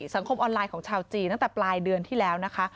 สังคมออนไลน์ของชาวจีนตั้งแต่ปลายเดือนที่แล้วนะคะ